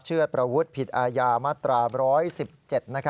เชื่อประวุฒิศภิกษามตรา๑๑๗